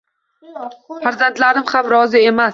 Farzandlarim ham rozi emas